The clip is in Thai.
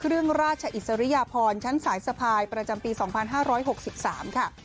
ราชอิสริยพรชั้นสายสะพายประจำปี๒๕๖๓ค่ะ